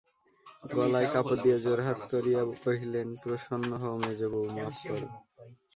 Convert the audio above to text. গলায় কাপড় দিয়া জোড়হাত করিয়া কহিলেন, প্রসন্ন হও মেজোবউ, মাপ করো।